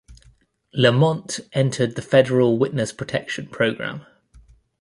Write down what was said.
Lamonte entered the federal witness protection program.